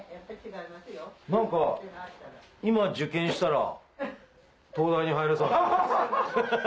何か今受験したら東大に入れそうな気がします。